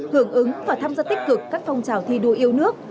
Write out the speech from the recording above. hưởng ứng và tham gia tích cực các phong trào thi đua yêu nước